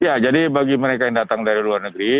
ya jadi bagi mereka yang datang dari luar negeri